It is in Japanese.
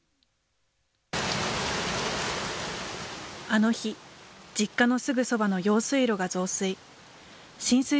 あの日、実家のすぐそばの用水路が増水。